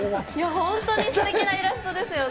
本当にすてきなイラストですよね。